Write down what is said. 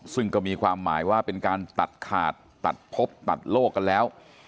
ซึ่งก็มีความหมายว่าเป็นการตัดขาดตัดพบตัดโลกกันแล้ว